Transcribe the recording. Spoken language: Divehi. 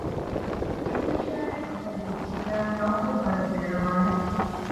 އެލީޝާއަށް ގޮތެއް ވެއްޖިއްޔާ ނައުފަލު ވަރަށް ދެރަވާނެ